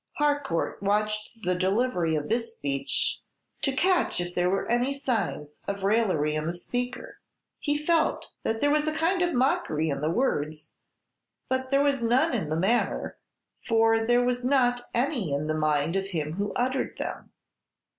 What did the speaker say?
Harcourt watched the delivery of this speech to catch if there were any signs of raillery in the speaker; he felt that there was a kind of mockery in the words; but there was none in the manner, for there was not any in the mind of him who uttered them.